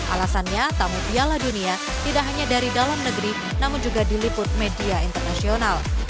alasannya tamu piala dunia tidak hanya dari dalam negeri namun juga diliput media internasional